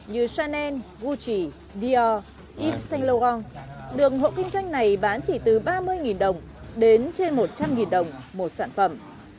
như chanel gucci dior yves saint laurent đường hộ kinh doanh này bán chỉ từ ba mươi đồng đến trên một trăm linh đồng một sản phẩm